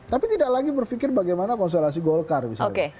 tapi tidak lagi berpikir bagaimana konstelasi golkar misalnya